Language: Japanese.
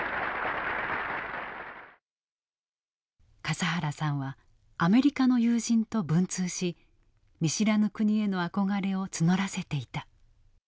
笠原さんはアメリカの友人と文通し見知らぬ国への憧れを募らせていた。